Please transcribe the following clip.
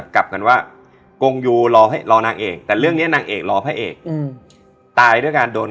ด่าอย่างเดียวก่อน